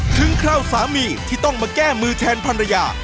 คราวสามีที่ต้องมาแก้มือแทนภรรยา